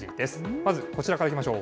まずこちらからいきましょう。